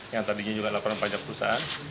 yang tadinya juga laporan pajak perusahaan